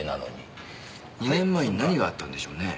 ２年前に何があったんでしょうね。